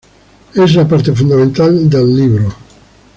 Es la parte fundamental del libro.